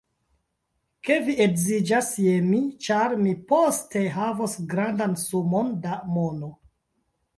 Ke vi edziĝas je mi, ĉar mi poste havos grandan sumon da mono.